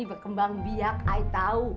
berkembang biak i tahu